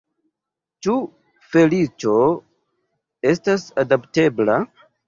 Ĉu feliĉo estas adaptebla?